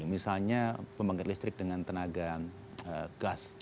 misalnya pembangkit listrik dengan tenaga gas